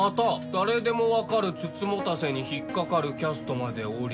「誰でも分かる美人局に引っかかるキャストまでおり」